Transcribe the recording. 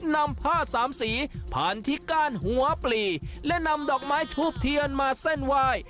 นำผ้าสามสีพันที่ก้านหัวปลีและนำดอกไม้ทูบเทียนมาเส้นไหว้